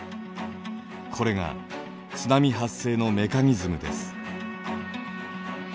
これが津波発生のメカニズムです。